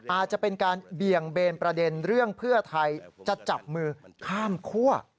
อาจจะเป็นการเบี่ยงเบนประเด็นเรื่องเพื่อไทยจะจับมือข้ามคั่ว